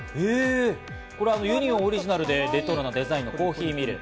ユニオンオリジナルでレトロなデザインのコーヒーミル。